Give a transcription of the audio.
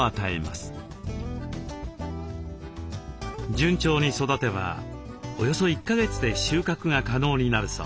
順調に育てばおよそ１か月で収穫が可能になるそう。